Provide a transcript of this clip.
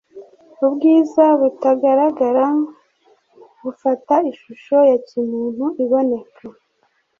ubwiza butagaragara bufata ishusho ya kimuntu iboneka.